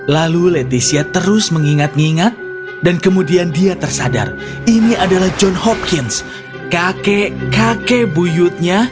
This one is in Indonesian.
lalu leticia terus mengingat ingat dan kemudian dia tersadar ini adalah john hopkins kakek kakek buyutnya